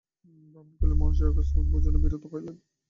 ব্রাহ্মণ কহিলেন, মহাশয় অকস্মাৎ ভোজনে বিরত হইলেন কেন।